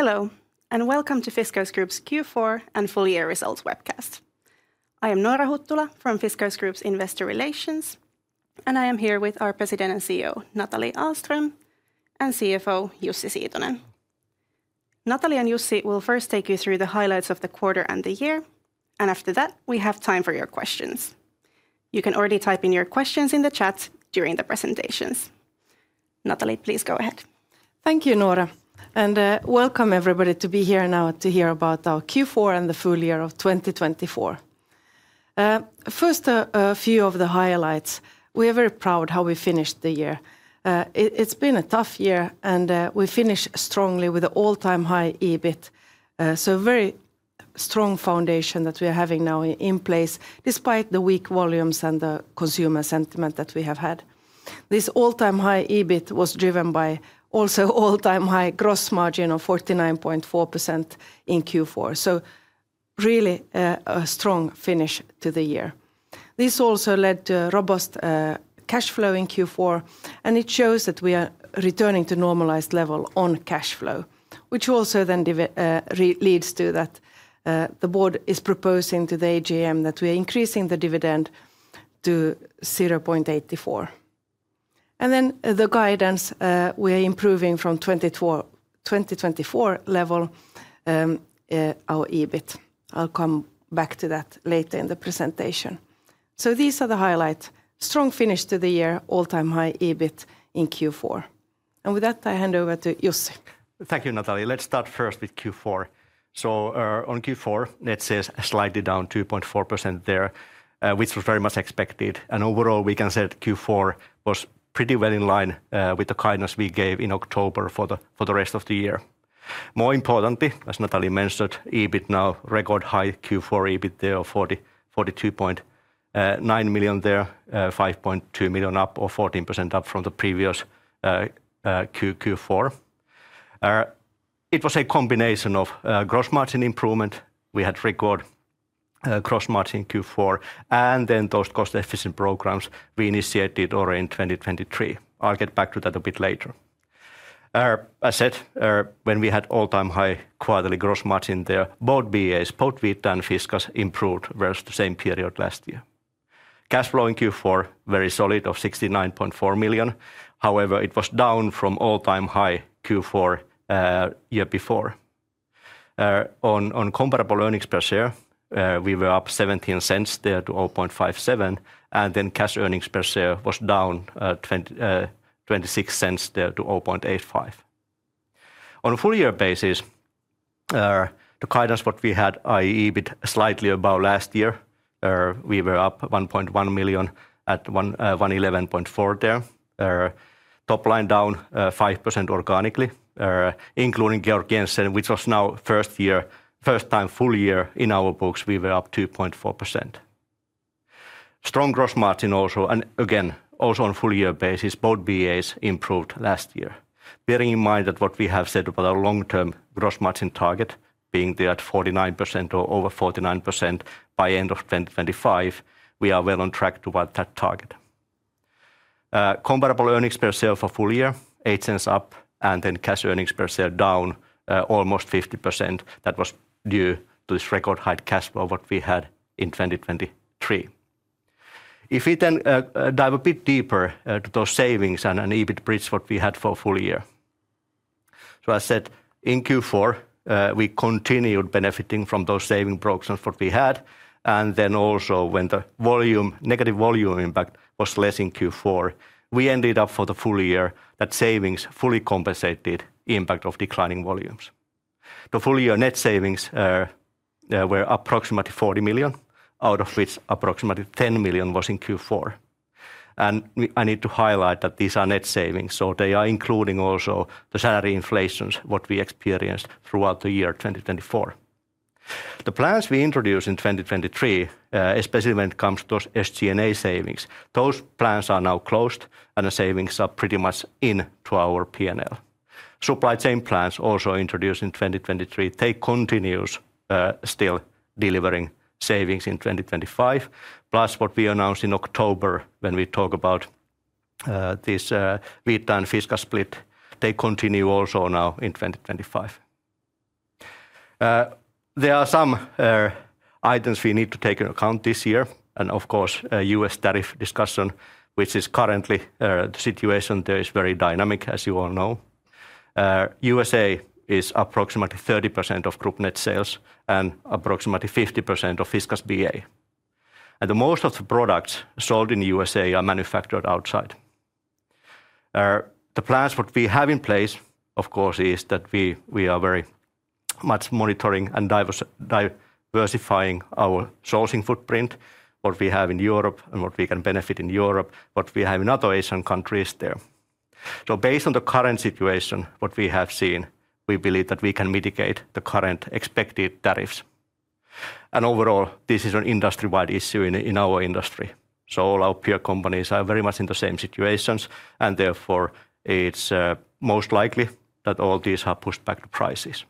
Hello, and welcome to Fiskars Group's Q4 and Full-year results webcast. I am Noora Huttula from Fiskars Group's Investor Relations, and I am here with our President and CEO, Nathalie Ahlström, and CFO, Jussi Siitonen. Nathalie and Jussi will first take you through the highlights of the quarter and the year, and after that, we have time for your questions. You can already type in your questions in the chat during the presentations. Nathalie, please go ahead. Thank you, Noora, and welcome everybody to be here now to hear about our Q4 and the full year of 2024. First, a few of the highlights. We are very proud of how we finished the year. It's been a tough year, and we finished strongly with an all-time high EBIT, so a very strong foundation that we are having now in place, despite the weak volumes and the consumer sentiment that we have had. This all-time high EBIT was driven by also an all-time high gross margin of 49.4% in Q4, so really a strong finish to the year. This also led to a robust cash flow in Q4, and it shows that we are returning to normalized level on cash flow, which also then leads to that the board is proposing to the AGM that we are increasing the dividend to EUR 0.84.And then the guidance, we are improving from 2024 level our EBIT. I'll come back to that later in the presentation. So these are the highlights: strong finish to the year, all-time high EBIT in Q4. And with that, I hand over to Jussi. Thank you, Nathalie. Let's start first with Q4. So on Q4, it says slightly down 2.4% there, which was very much expected. And overall, we can say that Q4 was pretty well in line with the guidance we gave in October for the rest of the year. More importantly, as Nathalie mentioned, EBIT now record high Q4 EBIT there of 42.9 million, there 5.2 million up, or 14% up from the previous Q4. It was a combination of gross margin improvement. We had record gross margin Q4, and then those cost-efficient programs we initiated already in 2023. I'll get back to that a bit later. As said, when we had all-time high quarterly gross margin there, both BAs, both Vita and Fiskars, improved versus the same period last year. Cash flow in Q4 very solid of 69.4 million. However, it was down from all-time high Q4 year before. On comparable earnings per share, we were up 0.17 to 0.57, and then cash earnings per share was down 0.26 to 0.85. On a full-year basis, the guidance what we had, i.e., EBIT slightly above last year, we were up 1.1 million to 111.4 million. Top line down 5% organically, including Georg Jensen, which was now first year, first time full year in our books, we were up 2.4%. Strong gross margin also, and again, also on a full-year basis, both BAs improved last year. Bearing in mind that what we have said about our long-term gross margin target being there at 49% or over 49% by end of 2025, we are well on track toward that target. Comparable earnings per share for full year, 0.08 up, and then cash earnings per share down almost 50%. That was due to this record high cash flow what we had in 2023. If we then dive a bit deeper to those savings and an EBIT bridge what we had for a full year, so as said, in Q4, we continued benefiting from those saving progressions what we had, and then also when the negative volume impact was less in Q4, we ended up for the full year that savings fully compensated the impact of declining volumes. The full-year net savings were approximately 40 million, out of which approximately 10 million was in Q4, and I need to highlight that these are net savings, so they are including also the salary inflations what we experienced throughout the year 2024. The plans we introduced in 2023, especially when it comes to those SG&A savings, those plans are now closed, and the savings are pretty much in to our P&L. Supply chain plans also introduced in 2023. They continue still delivering savings in 2025, plus what we announced in October when we talk about this Vita and Fiskars split. They continue also now in 2025. There are some items we need to take into account this year, and of course, U.S. tariff discussion, which is currently the situation there is very dynamic, as you all know. U.S.A. is approximately 30% of group net sales and approximately 50% of Fiskars BA. And most of the products sold in U.S.A. are manufactured outside. The plans what we have in place, of course, is that we are very much monitoring and diversifying our sourcing footprint, what we have in Europe and what we can benefit in Europe, what we have in other Asian countries there. So based on the current situation, what we have seen, we believe that we can mitigate the current expected tariffs. And overall, this is an industry-wide issue in our industry. So all our peer companies are very much in the same situations, and therefore it's most likely that all these have pushed back the prices.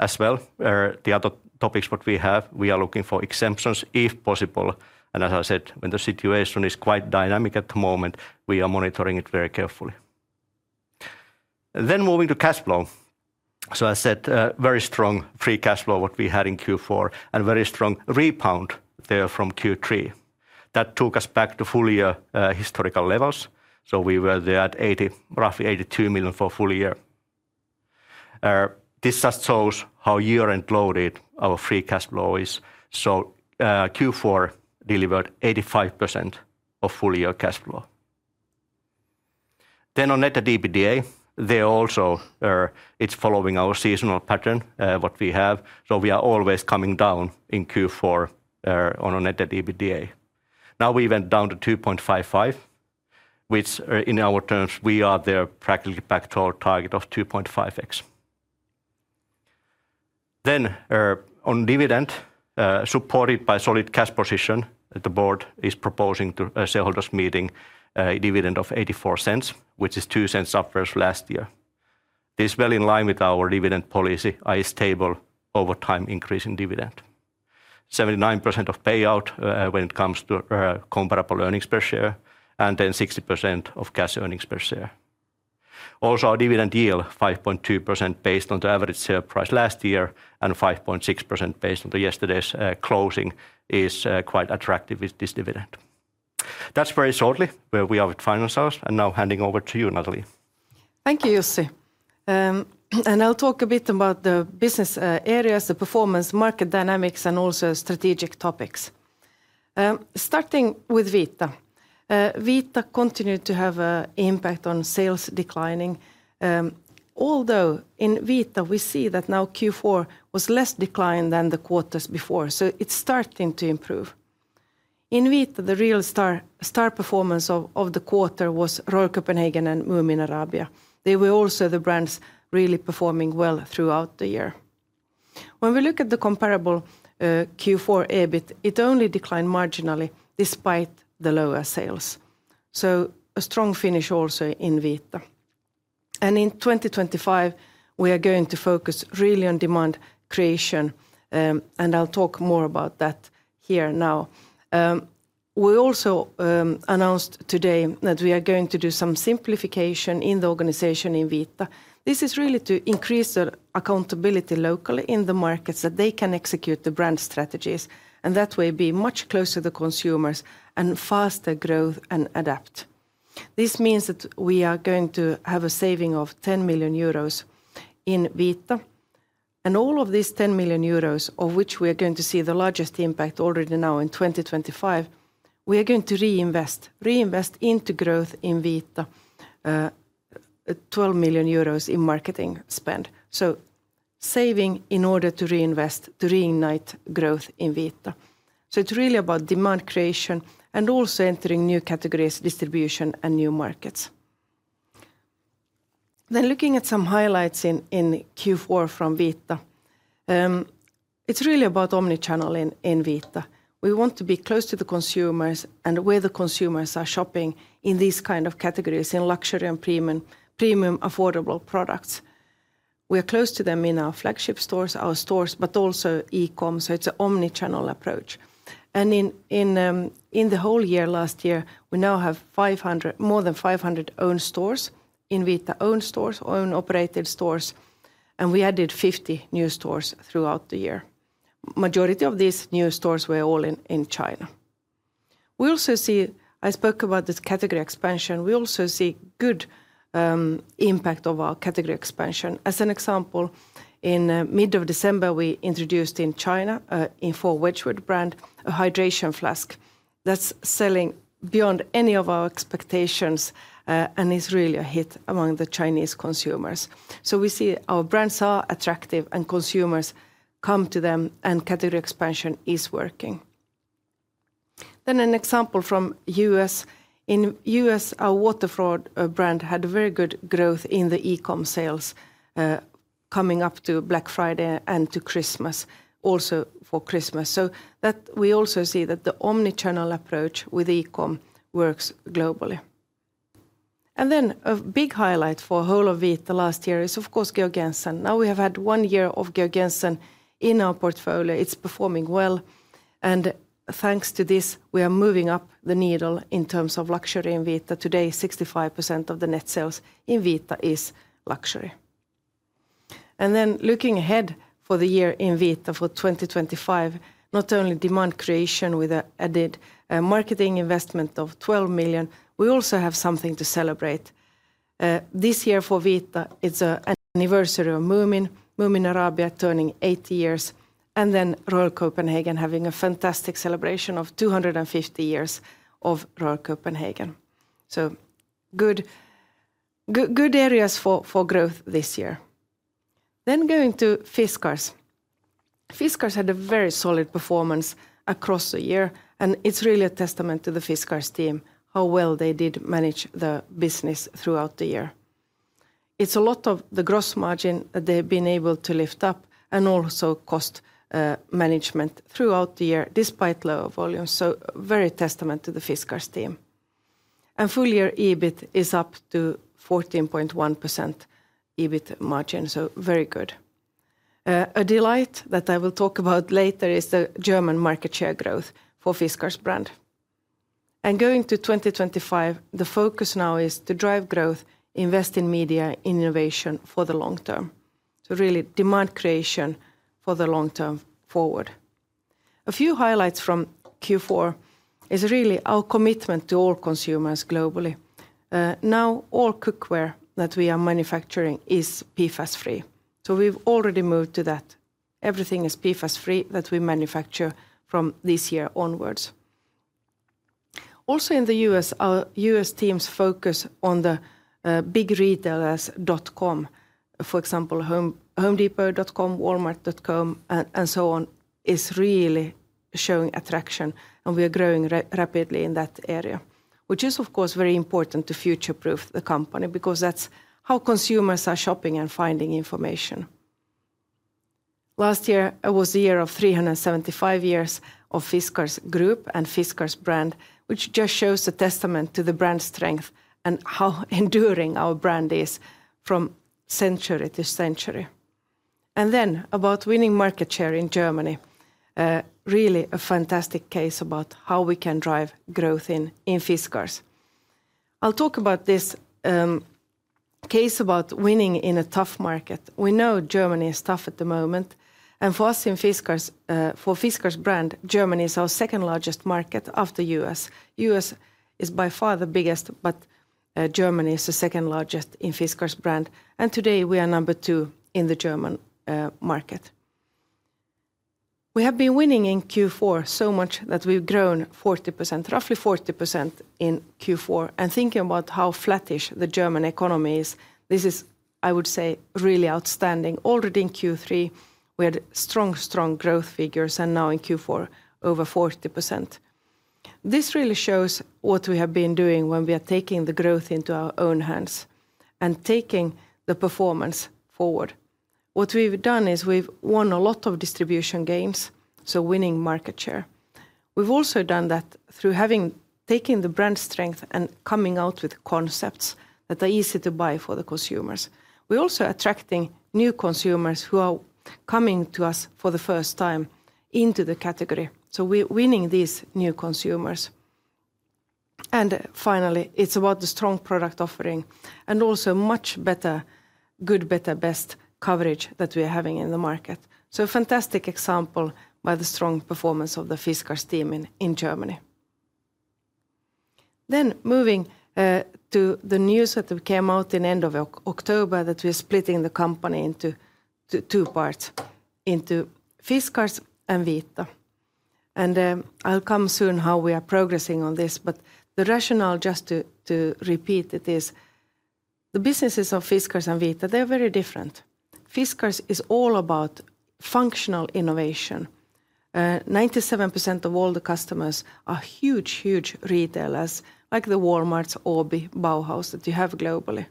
As well, the other topics what we have, we are looking for exemptions if possible, and as I said, when the situation is quite dynamic at the moment, we are monitoring it very carefully. Then moving to cash flow. So as said, very strong free cash flow what we had in Q4 and very strong rebound there from Q3. That took us back to full-year historical levels, so we were there at roughly 82 million for full year. This just shows how year-end loaded our free cash flow is, so Q4 delivered 85% of full-year cash flow. Then on net debt/EBITDA, there also it's following our seasonal pattern what we have, so we are always coming down in Q4 on our net debt/EBITDA. Now we went down to 2.55, which in our terms we are there practically back to our target of 2.5x. Then on dividend, supported by solid cash position, the board is proposing to shareholders meeting a dividend of 0.84, which is 0.02 up versus last year. This is well in line with our dividend policy, i.e., stable over time increase in dividend. 79% of payout when it comes to comparable earnings per share, and then 60% of cash earnings per share. Also our dividend yield, 5.2% based on the average share price last year and 5.6% based on yesterday's closing is quite attractive with this dividend. That's very shortly where we are with financials, and now handing over to you, Nathalie. Thank you, Jussi. And I'll talk a bit about the business areas, the performance, market dynamics, and also strategic topics. Starting with Vita. Vita continued to have an impact on sales declining, although in Vita we see that now Q4 was less declined than the quarters before, so it's starting to improve. In Vita, the real star performance of the quarter was Royal Copenhagen and Moomin Arabia. They were also the brands really performing well throughout the year. When we look at the comparable Q4 EBIT, it only declined marginally despite the lower sales. So a strong finish also in Vita. And in 2025, we are going to focus really on demand creation, and I'll talk more about that here now. We also announced today that we are going to do some simplification in the organization in Vita.This is really to increase the accountability locally in the markets that they can execute the brand strategies, and that way be much closer to consumers and faster growth and adapt. This means that we are going to have a saving of 10 million euros in Vita, and all of these 10 million euros, of which we are going to see the largest impact already now in 2025, we are going to reinvest, reinvest into growth in Vita, 12 million euros in marketing spend. So saving in order to reinvest, to reignite growth in Vita. So it's really about demand creation and also entering new categories, distribution, and new markets. Then looking at some highlights in Q4 from Vita, it's really about omnichannel in Vita. We want to be close to the consumers and where the consumers are shopping in these kind of categories, in luxury and premium, affordable products. We are close to them in our flagship stores, our stores, but also e-com, so it's an omnichannel approach. And in the whole year last year, we now have more than 500 owned stores, in Vita owned stores, owned operated stores, and we added 50 new stores throughout the year. Majority of these new stores were all in China. We also see, I spoke about this category expansion, we also see good impact of our category expansion. As an example, in mid of December, we introduced in China for Wedgwood brand, a hydration flask that's selling beyond any of our expectations and is really a hit among the Chinese consumers. So we see our brands are attractive and consumers come to them and category expansion is working. Then an example from U.S., in U.S., our Waterford brand had very good growth in the e-com sales coming up to Black Friday and to Christmas, also for Christmas, so that we also see that the omnichannel approach with e-com works globally, and then a big highlight for whole of Vita last year is of course Georg Jensen. Now we have had one year of Georg Jensen in our portfolio, it's performing well, and thanks to this we are moving up the needle in terms of luxury in Vita. Today, 65% of the net sales in Vita is luxury, and then looking ahead for the year in Vita for 2025, not only demand creation with an added marketing investment of 12 million, we also have something to celebrate. This year for Vita, it's an anniversary of Moomin, Moomin Arabia turning 80 years, and then Royal Copenhagen having a fantastic celebration of 250 years of Royal Copenhagen. So good areas for growth this year. Then going to Fiskars. Fiskars had a very solid performance across the year, and it's really a testament to the Fiskars team, how well they did manage the business throughout the year. It's a lot of the gross margin that they've been able to lift up and also cost management throughout the year despite lower volumes, so very testament to the Fiskars team. And full year EBIT is up to 14.1% EBIT margin, so very good. A delight that I will talk about later is the German market share growth for Fiskars brand. And going to 2025, the focus now is to drive growth, invest in media, in innovation for the long term. Really demand creation for the long term forward. A few highlights from Q4 is really our commitment to all consumers globally. Now all cookware that we are manufacturing is PFAS free. So we've already moved to that. Everything is PFAS free that we manufacture from this year onwards. Also in the U.S., our US teams focus on the big retailers dot com, for example, HomeDepot.com, Walmart.com, and so on is really showing attraction, and we are growing rapidly in that area, which is of course very important to future proof the company because that's how consumers are shopping and finding information. Last year was the year of 375 years of Fiskars Group and Fiskars brand, which just shows the testament to the brand strength and how enduring our brand is from century to century. And then about winning market share in Germany, really a fantastic case about how we can drive growth in Fiskars. I'll talk about this case about winning in a tough market. We know Germany is tough at the moment, and for us in Fiskars, for Fiskars brand, Germany is our second largest market after U.S. U.S. is by far the biggest, but Germany is the second largest in Fiskars brand, and today we are number two in the German market. We have been winning in Q4 so much that we've grown 40%, roughly 40% in Q4, and thinking about how flattish the German economy is, this is, I would say, really outstanding. Already in Q3, we had strong, strong growth figures, and now in Q4, over 40%. This really shows what we have been doing when we are taking the growth into our own hands and taking the performance forward. What we've done is we've won a lot of distribution gains, so winning market share. We've also done that through having taken the brand strength and coming out with concepts that are easy to buy for the consumers. We're also attracting new consumers who are coming to us for the first time into the category, so we're winning these new consumers. And finally, it's about the strong product offering and also much better, Good, Better, Best coverage that we are having in the market. So a fantastic example by the strong performance of the Fiskars team in Germany. Then moving to the news that came out in the end of October that we are splitting the company into two parts, into Fiskars and Vita.And I'll come back soon to how we are progressing on this, but the rationale just to repeat it is the businesses of Fiskars and Vita, they are very different. Fiskars is all about functional innovation. 97% of all the customers are huge, huge retailers like the Walmarts, OBI, Bauhaus that you have globally.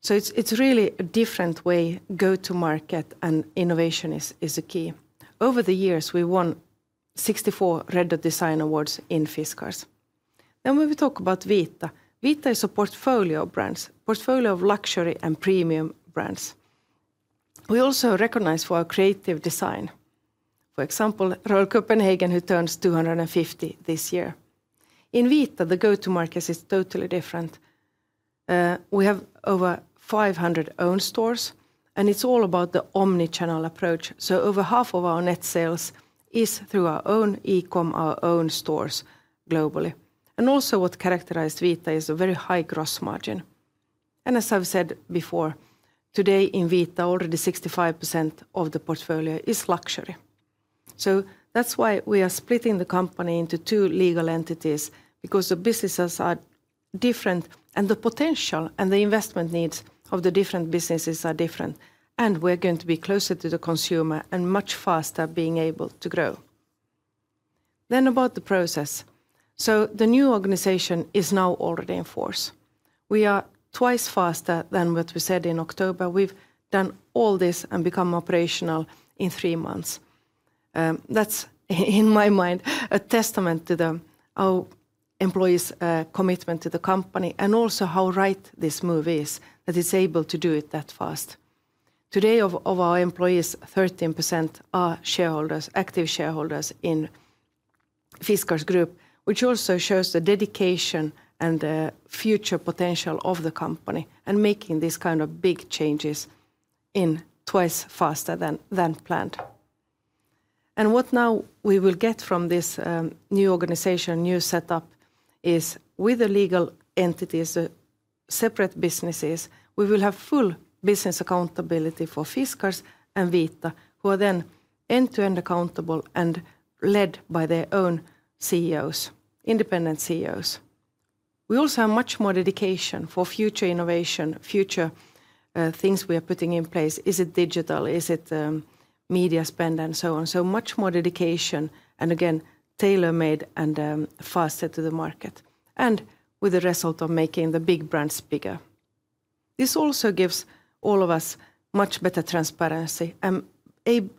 So it's really a different way to go to market and innovation is the key. Over the years, we won 64 Red Dot Design Awards in Fiskars. Then we will talk about Vita. Vita is a portfolio of brands, portfolio of luxury and premium brands. We are also recognized for our creative design, for example, Royal Copenhagen who turns 250 this year. In Vita, the go-to market is totally different. We have over 500 owned stores, and it's all about the omnichannel approach. So over half of our net sales is through our own e-com, our own stores globally. Also what characterized Vita is a very high gross margin. As I've said before, today in Vita, already 65% of the portfolio is luxury. That's why we are splitting the company into two legal entities because the businesses are different and the potential and the investment needs of the different businesses are different, and we're going to be closer to the consumer and much faster being able to grow. About the process. The new organization is now already in force. We are twice faster than what we said in October. We've done all this and become operational in three months. That's in my mind a testament to our employees' commitment to the company and also how right this move is that it's able to do it that fast. Today, 13% of our employees are shareholders, active shareholders in Fiskars Group, which also shows the dedication and the future potential of the company and making these kind of big changes in twice faster than planned, and what now we will get from this new organization, new setup is with the legal entities, the separate businesses. We will have full business accountability for Fiskars and Vita, who are then end-to-end accountable and led by their own CEOs, independent CEOs. We also have much more dedication for future innovation, future things we are putting in place. Is it digital? Is it media spend and so on, so much more dedication and again, tailor-made and faster to the market and with the result of making the big brands bigger. This also gives all of us much better transparency and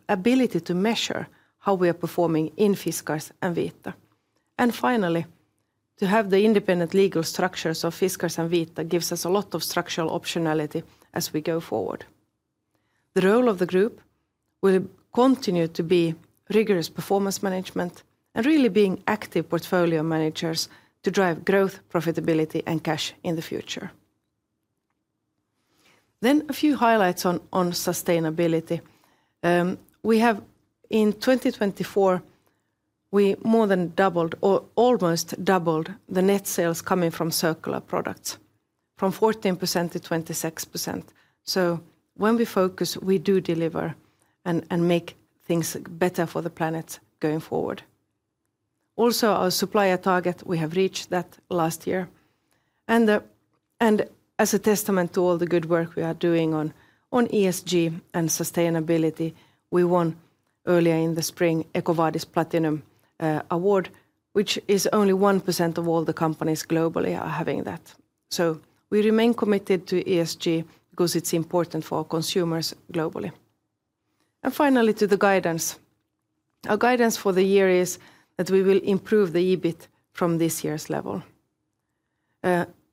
ability to measure how we are performing in Fiskars and Vita. Finally, to have the independent legal structures of Fiskars and Vita gives us a lot of structural optionality as we go forward. The role of the group will continue to be rigorous performance management and really being active portfolio managers to drive growth, profitability, and cash in the future. A few highlights on sustainability. In 2024, we more than doubled, almost doubled the net sales coming from circular products from 14%-26%. When we focus, we do deliver and make things better for the planet going forward. Our supplier target, we have reached that last year. As a testament to all the good work we are doing on ESG and sustainability, we won earlier in the spring EcoVadis Platinum Award, which is only 1% of all the companies globally are having that. So we remain committed to ESG because it's important for our consumers globally. And finally, to the guidance. Our guidance for the year is that we will improve the EBIT from this year's level.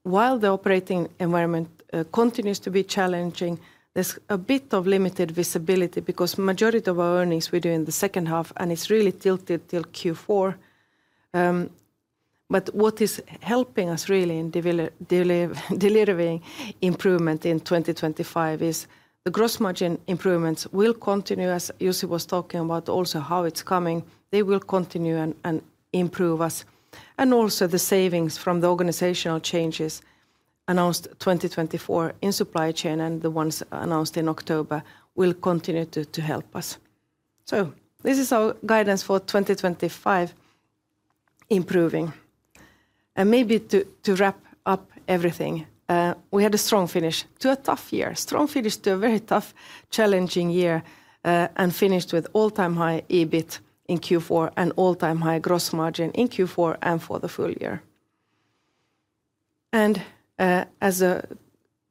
While the operating environment continues to be challenging, there's a bit of limited visibility because the majority of our earnings we do in the second half and it's really tilted till Q4. But what is helping us really in delivering improvement in 2025 is the gross margin improvements will continue, as Jussi was talking about, also how it's coming. They will continue and improve us. And also the savings from the organizational changes announced 2024 in supply chain and the ones announced in October will continue to help us. So this is our guidance for 2025 improving. And maybe to wrap up everything, we had a strong finish to a tough year, strong finish to a very tough, challenging year and finished with all-time high EBIT in Q4 and all-time high gross margin in Q4 and for the full year. And as the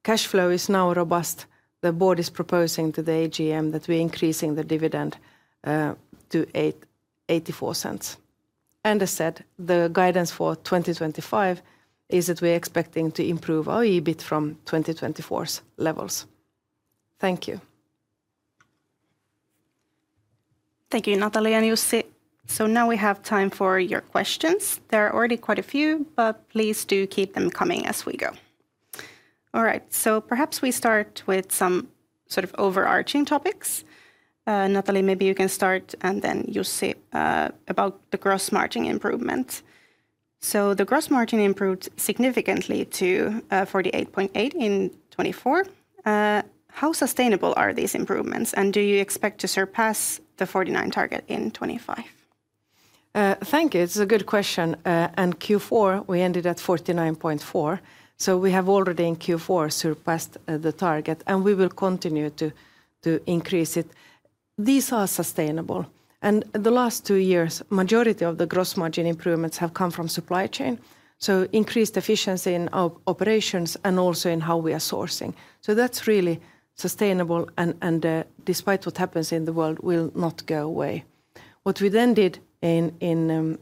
cash flow is now robust, the board is proposing to the AGM that we are increasing the dividend to 0.84. And as said, the guidance for 2025 is that we are expecting to improve our EBIT from 2024's levels. Thank you. Thank you, Nathalie and Jussi. So now we have time for your questions. There are already quite a few, but please do keep them coming as we go. All right, so perhaps we start with some sort of overarching topics. Nathalie, maybe you can start and then Jussi about the gross margin improvements. The gross margin improved significantly to 48.8% in 2024. How sustainable are these improvements and do you expect to surpass the 49% target in 2025? Thank you. It's a good question. Q4, we ended at 49.4%. We have already in Q4 surpassed the target and we will continue to increase it. These are sustainable. The last two years, the majority of the gross margin improvements have come from supply chain. Increased efficiency in our operations and also in how we are sourcing. That's really sustainable and despite what happens in the world, will not go away. What we then did in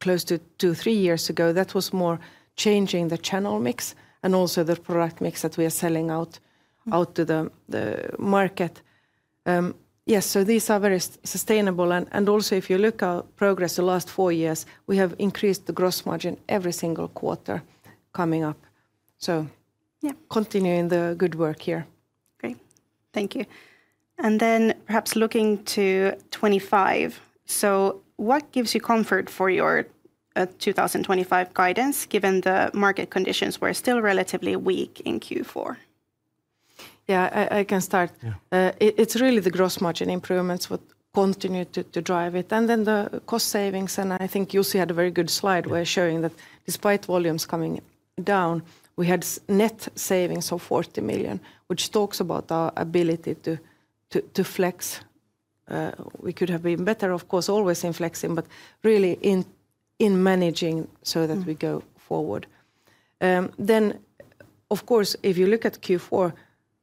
close to two, three years ago, that was more changing the channel mix and also the product mix that we are selling out to the market. Yes, these are very sustainable. Also if you look at progress the last four years, we have increased the gross margin every single quarter coming up. Continuing the good work here. Great. Thank you. Then perhaps looking to 2025. What gives you comfort for your 2025 guidance given the market conditions were still relatively weak in Q4? Yeah, I can start. It's really the gross margin improvements would continue to drive it. Then the cost savings. I think Jussi had a very good slide where showing that despite volumes coming down, we had net savings of 40 million, which talks about our ability to flex. We could have been better, of course, always in flexing, but really in managing so that we go forward. Of course, if you look at Q4,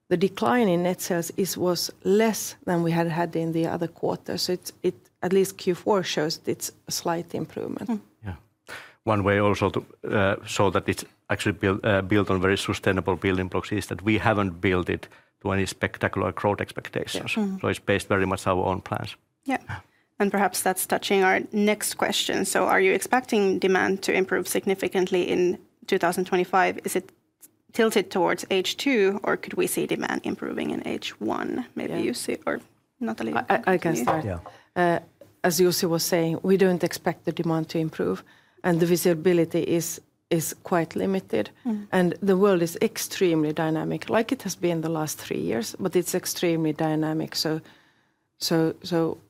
the decline in net sales was less than we had had in the other quarter. So at least Q4 shows its slight improvement. Yeah. One way also to show that it's actually built on very sustainable building blocks is that we haven't built it to any spectacular growth expectations. So it's based very much on our own plans. Yeah. And perhaps that's touching our next question. So are you expecting demand to improve significantly in 2025? Is it tilted towards H2 or could we see demand improving in H1? Maybe Jussi or Nathalie. I can start. As Jussi was saying, we don't expect the demand to improve and the visibility is quite limited. And the world is extremely dynamic, like it has been the last three years, but it's extremely dynamic. So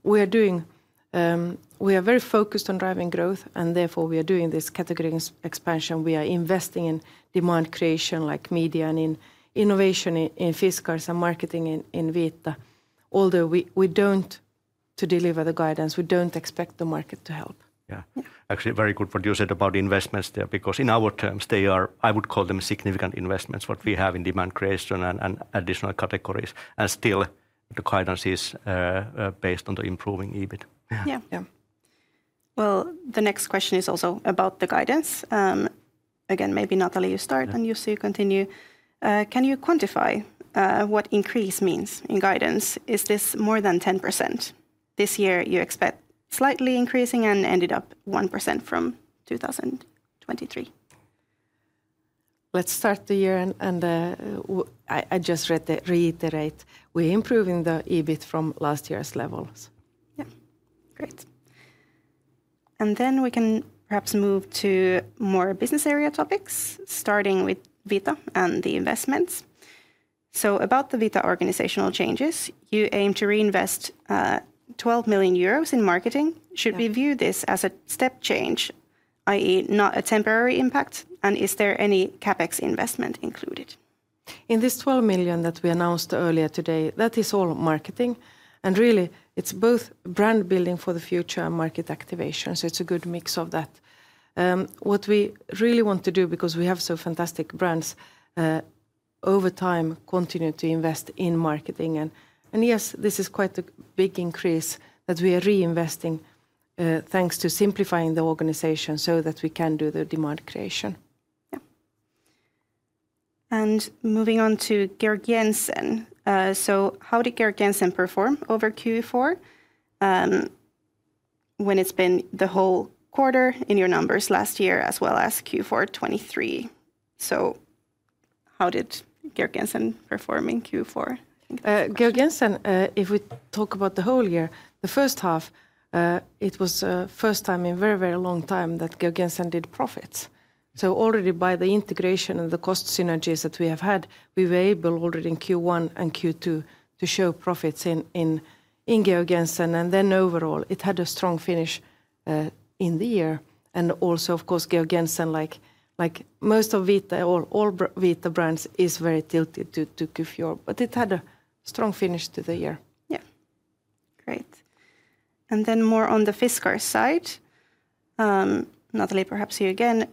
we are doing, we are very focused on driving growth and therefore we are doing this category expansion. We are investing in demand creation like media and in innovation in Fiskars and marketing in Vita. Although we don't, to deliver the guidance, we don't expect the market to help. Yeah, actually very good what you said about investments there because in our terms they are, I would call them significant investments, what we have in demand creation and additional categories. And still the guidance is based on the improving EBIT. Yeah. Well, the next question is also about the guidance. Again, maybe Nathalie, you start and Jussi, you continue. Can you quantify what increase means in guidance? Is this more than 10%? This year you expect slightly increasing and ended up 1% from 2023. Let's start the year and I just reiterate, we are improving the EBIT from last year's levels. Yeah, great. Then we can perhaps move to more business area topics, starting with Vita and the investments. So about the Vita organizational changes, you aim to reinvest 12 million euros in marketing. Should we view this as a step change, i.e. not a temporary impact, and is there any CapEx investment included? In this 12 million that we announced earlier today, that is all marketing. And really it's both brand building for the future and market activation. So it's a good mix of that. What we really want to do, because we have so fantastic brands, over time continue to invest in marketing. And yes, this is quite a big increase that we are reinvesting thanks to simplifying the organization so that we can do the demand creation. Yeah. And moving on to Georg Jensen.So how did Georg Jensen perform over Q4 when it's been the whole quarter in your numbers last year as well as Q4 2023? So how did Georg Jensen perform in Q4? Georg Jensen, if we talk about the whole year, the first half, it was the first time in a very, very long time that Georg Jensen did profits. So already by the integration and the cost synergies that we have had, we were able already in Q1 and Q2 to show profits in Georg Jensen. And then overall it had a strong finish in the year. And also, of course, Georg Jensen, like most of Vita, all Vita brands is very tilted to Q4, but it had a strong finish to the year. Yeah. Great. And then more on the Fiskars side. Nathalie, perhaps you again.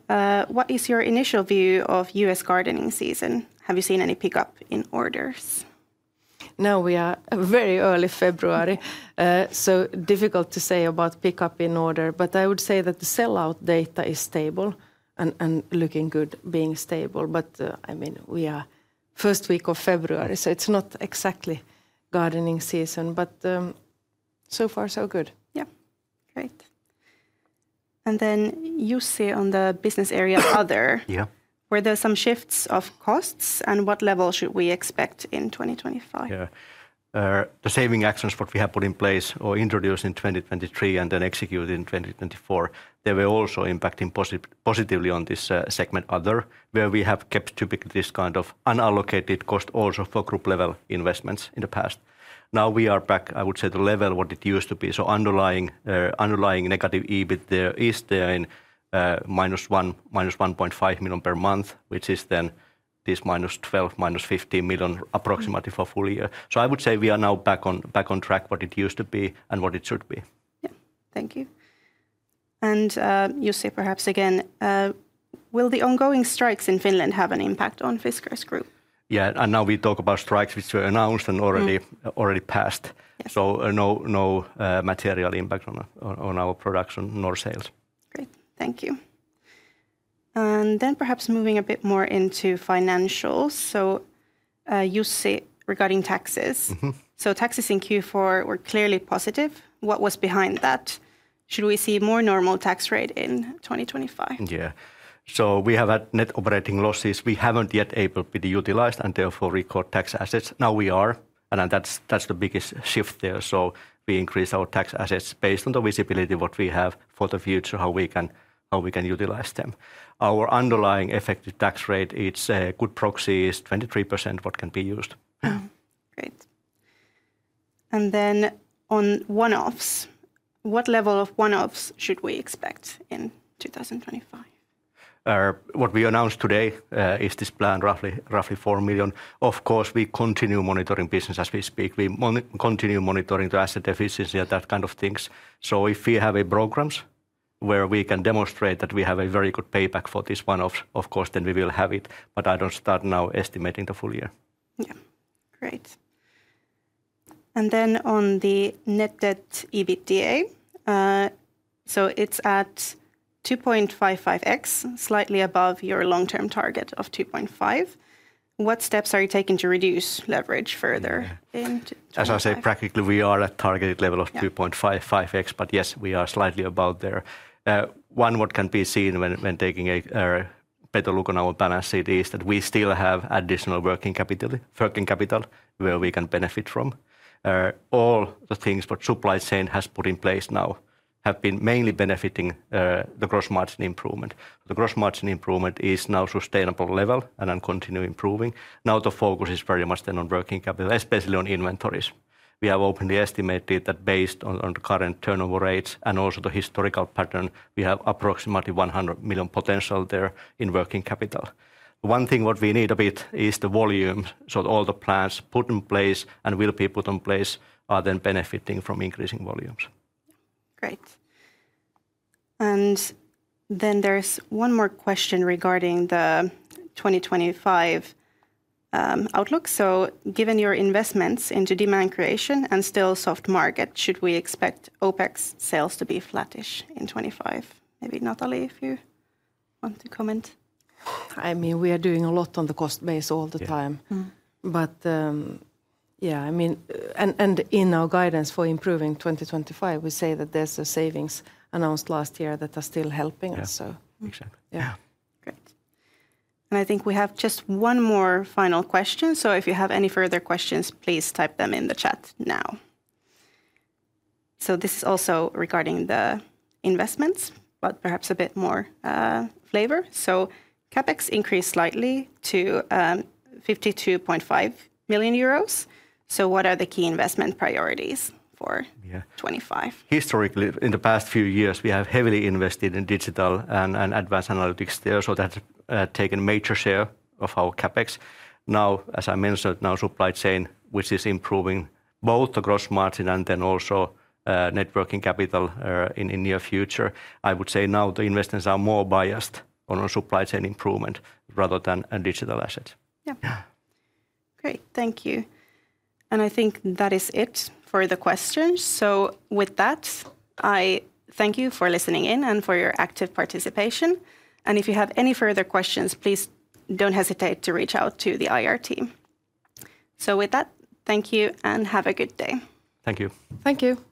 What is your initial view of US gardening season? Have you seen any pickup in orders? Now we are very early February. So difficult to say about pickup in order, but I would say that the sellout data is stable and looking good, being stable. But I mean, we are first week of February, so it's not exactly gardening season, but so far so good. Yeah. Great. And then Jussi on the business area other. Yeah. Were there some shifts of costs and what level should we expect in 2025? Yeah.The saving actions what we have put in place or introduced in 2023 and then executed in 2024, they were also impacting positively on this segment other, where we have kept typically this kind of unallocated cost also for group level investments in the past. Now we are back, I would say, to level what it used to be. Underlying negative EBIT there is in -1.5 million per month, which is then this -12 million to -15 million approximately for full year. I would say we are now back on track what it used to be and what it should be. Yeah. Thank you. Jussi, perhaps again, will the ongoing strikes in Finland have an impact on Fiskars Group? Yeah. Now we talk about strikes which were announced and already passed. No material impact on our production nor sales. Great. Thank you. Then perhaps moving a bit more into financials. Jussi, regarding taxes. Taxes in Q4 were clearly positive. What was behind that? Should we see more normal tax rate in 2025? Yeah. We have had net operating losses. We haven't yet able to be utilized and therefore record tax assets. Now we are. And that's the biggest shift there. So we increase our tax assets based on the visibility of what we have for the future, how we can utilize them. Our underlying effective tax rate. It's a good proxy: 23% what can be used. Great. And then on one-offs, what level of one-offs should we expect in 2025? What we announced today is this plan, roughly 4 million. Of course, we continue monitoring business as we speak. We continue monitoring the asset efficiency and that kind of things. So if we have a program where we can demonstrate that we have a very good payback for this one-off, of course, then we will have it. But I don't start now estimating the full year. Yeah. Great. And then on the Net Debt/EBITDA, so it's at 2.55x, slightly above your long-term target of 2.5x.What steps are you taking to reduce leverage further? As I say, practically we are at targeted level of 2.55x, but yes, we are slightly above there. One, what can be seen when taking a better look on our balance sheet is that we still have additional working capital where we can benefit from. All the things what supply chain has put in place now have been mainly benefiting the gross margin improvement. The gross margin improvement is now sustainable level and then continue improving. Now the focus is very much then on working capital, especially on inventories. We have openly estimated that based on the current turnover rates and also the historical pattern, we have approximately 100 million potential there in working capital. One thing what we need a bit is the volume. All the plans put in place and will be put in place are then benefiting from increasing volumes. Great. And then there's one more question regarding the 2025 outlook. So given your investments into demand creation and still soft market, should we expect OpEx sales to be flattish in 2025? Maybe Nathalie, if you want to comment. I mean, we are doing a lot on the cost base all the time. But yeah, I mean, and in our guidance for improving 2025, we say that there's a savings announced last year that are still helping us. Yeah, exactly. Yeah. Great. And I think we have just one more final question. So if you have any further questions, please type them in the chat now. So this is also regarding the investments, but perhaps a bit more flavor. So CapEx increased slightly to 52.5 million. So what are the key investment priorities for 2025? Historically, in the past few years, we have heavily invested in digital and advanced analytics there. So that has taken a major share of our CapEx. Now, as I mentioned, now supply chain, which is improving both the gross margin and then also working capital in the near future. I would say now the investments are more biased on supply chain improvement rather than digital assets. Yeah. Great. Thank you. And I think that is it for the questions. So with that, I thank you for listening in and for your active participation. And if you have any further questions, please don't hesitate to reach out to the IR team. So with that, thank you and have a good day. Thank you. Thank you.